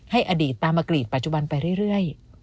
อดีตตามมากรีดปัจจุบันไปเรื่อย